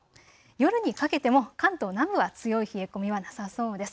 夜にかけても関東南部は強い冷え込みはなさそうです。